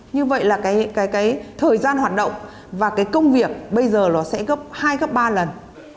như vậy là cái thời gian hoạt động và cái công việc bây giờ nó sẽ gấp hai gấp ba lần